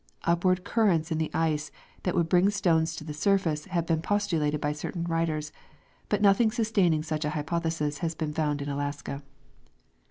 Upward currents in the ice that would bring stones to the surface have been postulated by certain writers, but nothing sustaining such an hypothesis has been found in Alaska.